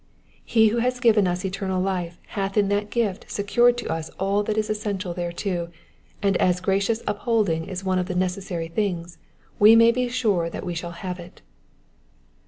*' He who has given ua eternal life hath in that ^ft secured to us all that is essential thereto, and as gracious upholding is one of the necessary things we may be sure that we shall have it.